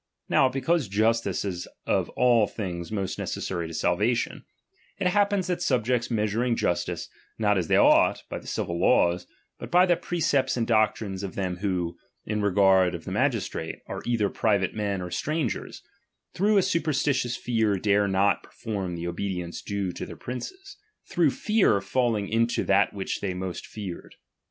Now, because justice is of all things most neces sary to salvation, it happens that subjects measur ing justice, not as they ought, by the civil laws, bnt by the precepts and doctrines of them who, in regard of the magistrate, are either private men or strangers, through a superstitious fear dare not per form the obedience due to their princes ; through fear falling into that which they most feared.